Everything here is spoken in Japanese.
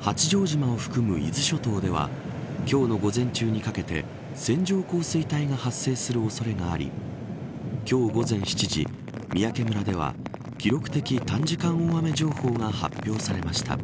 八丈島を含む伊豆諸島では今日の午前中にかけて線状降水帯が発生する恐れがあり今日午前７時三宅村では記録的短時間大雨情報が発表されました。